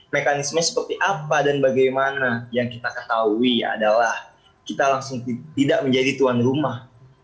mekanisme seperti apa dan bagaimana yang kita ketahui adalah kita langsung tidak menjadi tuan rumah